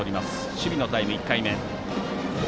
守備のタイム１回目。